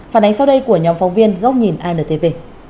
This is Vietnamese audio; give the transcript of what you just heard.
phản ánh sau đây của nhóm phóng viên góc nhìn intv